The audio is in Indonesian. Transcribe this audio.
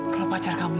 kalau pacar kamu ini